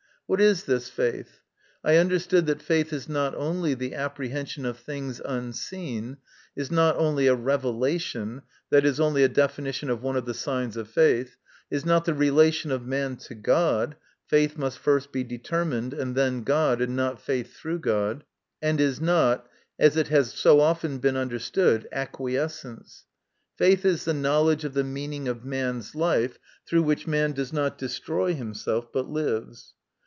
What is this faith ? I understood that faith is not only the apprehension of things unseen, is not only a revelation (that is only a definition of one of the signs of faith), is not the relation of man to God (faith must first be determined, and then God, and not faith through God), and is not, as it has so often been understood, acquiescence faith is the knowledge of the meaning of man's life, through which man does not destroy himsslf, but lives.